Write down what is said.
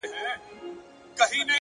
زه به دي تل په ياد کي وساتمه’